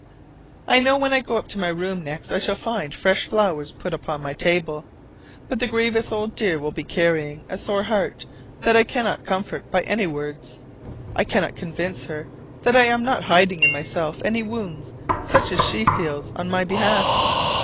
I know when I go up to my room next I shall find fresh flowers put upon my table: but the grievous old dear will be carrying a sore heart that I cannot comfort by any words. I cannot convince her that I am not hiding in myself any wounds such as she feels on my behalf.